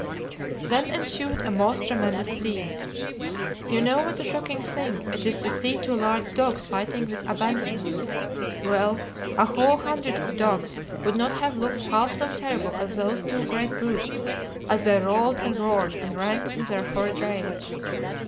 "Then ensued a most tremendous scene. You know what a shocking thing it is to see two large dogs fighting with abandonment. Well, a whole hundred of dogs could not have looked half so terrible as those two great brutes as they rolled and roared and rent in their horrid rage.